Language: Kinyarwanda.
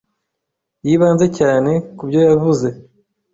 Yibanze cyane ku byo yavuze.